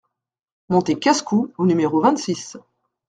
Montée Casse-Cou au numéro vingt-six